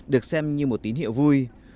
được xem như một tín hiệu vui